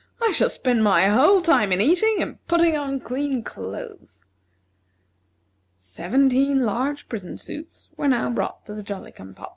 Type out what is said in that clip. "I shall spend my whole time in eating and putting on clean clothes." Seventeen large prison suits were now brought to the Jolly cum pop.